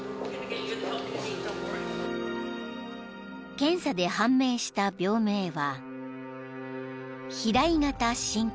［検査で判明した病名は］